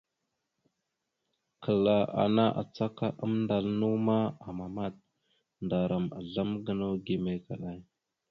Kəla ana acaka amndal naw ma, amamat. Ndaram azlam gənaw gime kaɗay.